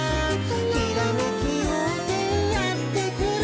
「ひらめきようせいやってくる」